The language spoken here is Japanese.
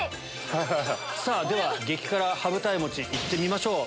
さぁでは激辛羽二重餅いってみましょう。